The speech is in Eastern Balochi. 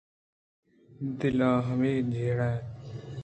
دل ءَ ہمے جیڑ یتے